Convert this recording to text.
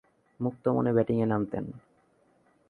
মুক্ত মনে ব্যাটিংয়ে নামতেন।